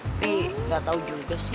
tapi gak tau juga sih